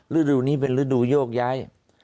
ฤดูนี้เป็นฤดูโยกย้าย